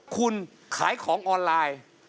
คุณขายของออนไลน์